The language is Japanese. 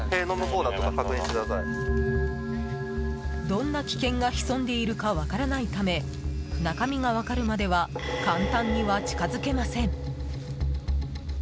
どんな危険が潜んでいるか分からないため中身が分かるまでは簡単には近づけません。